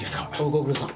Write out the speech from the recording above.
ご苦労さん。